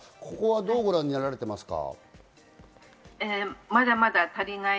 どうご覧になられていますか？